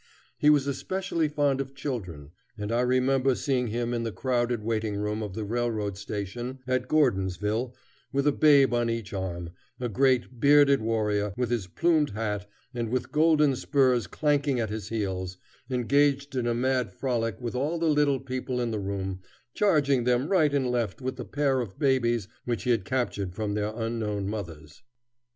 He was especially fond of children, and I remember seeing him in the crowded waiting room of the railroad station at Gordonsville with a babe on each arm; a great, bearded warrior, with his plumed hat, and with golden spurs clanking at his heels, engaged in a mad frolic with all the little people in the room, charging them right and left with the pair of babies which he had captured from their unknown mothers.